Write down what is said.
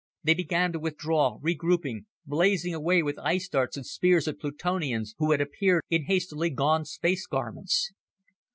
They began to withdraw, regrouping, blazing away with ice darts and spears at Plutonians who had appeared in hastily donned space garments.